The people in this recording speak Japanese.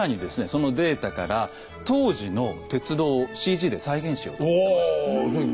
そのデータから当時の鉄道をＣＧで再現しようと思ってます。